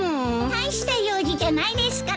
大した用事じゃないですから。